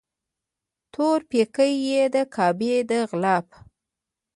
تور پیکی یې د کعبې د غلاف